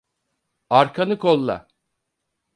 Arkanı kolla!